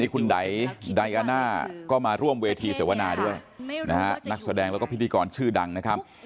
คุณไดยนะก็มาร่วมเวทีเสียวนาด้วยนักแสดงและพิธีกรชื่อดังนะครับ